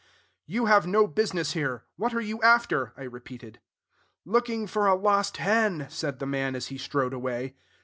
"You have no business here: what are you after?" I repeated. "Looking for a lost hen," said the man as he strode away.